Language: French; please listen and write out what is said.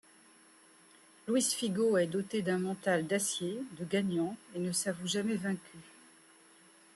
Luís Figo est doté d'un mental d'acier, de gagnant et ne s'avoue jamais vaincu.